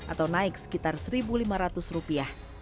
atau naik sekitar satu lima ratus rupiah